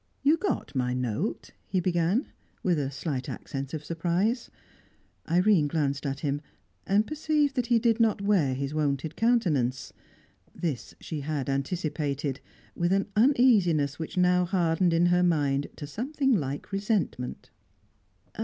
"You got my note?" he began, with a slight accent of surprise. Irene glanced at him, and perceived that he did not wear his wonted countenance. This she had anticipated, with an uneasiness which now hardened in her mind to something like resentment.